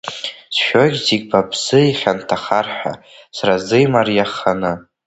Сшәоит зегь ба бзы ихьанҭахар ҳәа, сара сзы имариаханы.